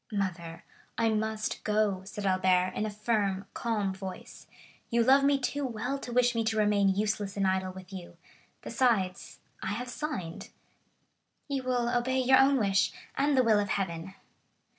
"Mother, I must go," said Albert in a firm, calm voice; "you love me too well to wish me to remain useless and idle with you; besides, I have signed." 50145m "You will obey your own wish and the will of Heaven!"